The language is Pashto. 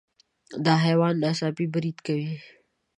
دا حیوان ناڅاپي برید کوي.